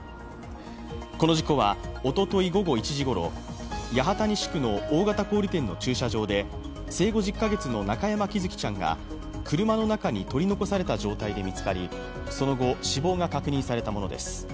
この事故は、おととい午後１時ごろ八幡西区の大型小売店の駐車場で生後１０か月の中山喜寿生ちゃんが車の中に取り残された状態で見つかり、その後、死亡が確認されたものです。